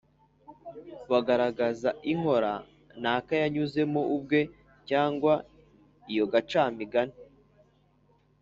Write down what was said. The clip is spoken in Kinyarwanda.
bagaragaza inkora naka yanyuzemo ubwe, cyangwa iyo gacamigani